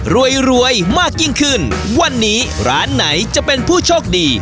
รวยรวยมากยิ่งขึ้นวันนี้ร้านไหนจะเป็นผู้โชคดี